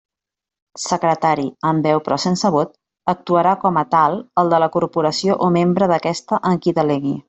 Secretari, amb veu però sense vot, actuarà com a tal el de la Corporació o membre d'aquesta en qui delegui.